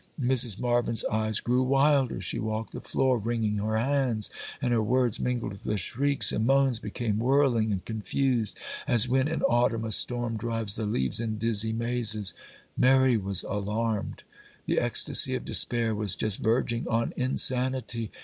] Mrs. Marvyn's eyes grew wilder,—she walked the floor, wringing her hands,—and her words, mingled with shrieks and moans, became whirling and confused, as when in autumn a storm drives the leaves in dizzy mazes. Mary was alarmed,—the ecstasy of despair was just verging on insanity.